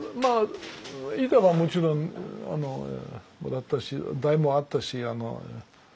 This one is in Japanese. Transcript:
板はもちろんもらったし台もあったし。